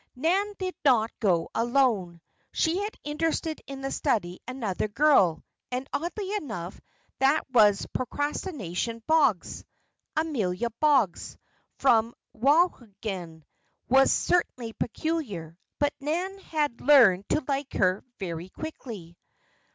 Nan did not go alone. She had interested in the study another girl, and oddly enough that was "Procrastination Boggs." Amelia Boggs, from Wauhegan, was certainly peculiar; but Nan had learned to like her very quickly.